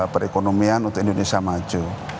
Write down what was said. perekonomian untuk indonesia maju